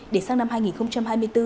để sang năm hai nghìn hai mươi bốn